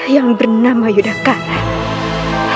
yang bernama yudhacara